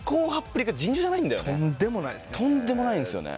とんでもないですね。